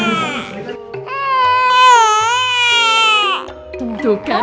tidur nyenyak ya sayang